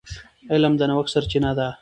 علم د نوښت سرچینه ده.